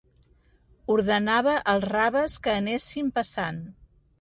Ordenava els raves que anessin passant.